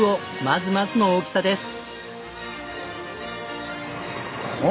まずまずの大きさです。